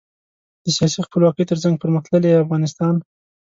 د سیاسي خپلواکۍ ترڅنګ پرمختللي افغانستان.